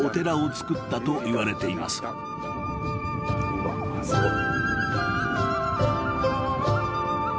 「うわっすごい」